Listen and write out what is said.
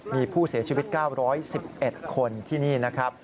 มีผู้เสียชีวิต๙๑๑คนที่นี่นะครับ